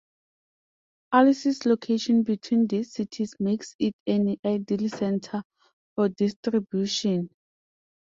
Alice's location between these cities makes it an ideal center for distribution.